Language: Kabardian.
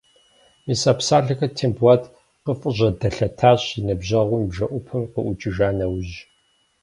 Мис а псалъэхэр Тембулэт къыфӏыжьэдэлъэтащ, и ныбжьэгъум и бжэӏупэм къыӏукӏыжа нэужь.